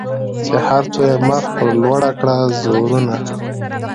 چي هر څو یې مخ پر لوړه کړه زورونه